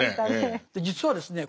実はですね